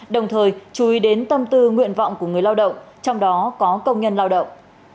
đồng thời chú ý đến tâm tư nguyện vọng của người lao động trong đó có công nhân lao động